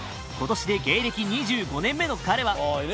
今年で芸歴２５年目の彼は